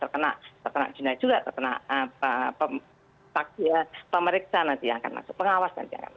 terkena denda juga terkena pemeriksa nanti yang akan masuk pengawasan yang akan masuk